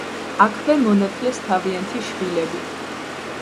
აქვე მონათლეს თავიანთი შვილები.